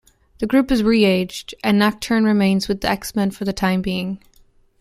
The group is re-aged, and Nocturne remains with the X-Men for the time being.